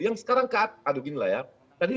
yang sekarang kata aduh ginilah ya